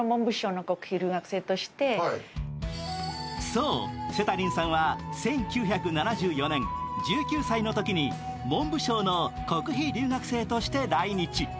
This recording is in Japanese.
そう、セタリンさんは１９７４年、１９歳のときに、文部省の国費留学生として来日。